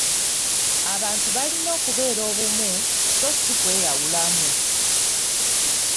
Abantu balina okubeera obumu so ssi kweyawulamu.